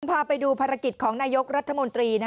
พาไปดูภารกิจของนายกรัฐมนตรี